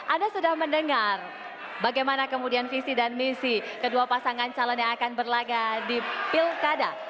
anda sudah mendengar bagaimana kemudian visi dan misi kedua pasangan calon yang akan berlaga di pilkada